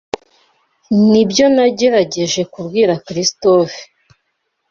Nibyo nagerageje kubwira Christopher.